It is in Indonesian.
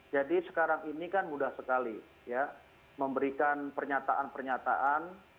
jadi sekarang ini kan mudah sekali ya memberikan pernyataan pernyataan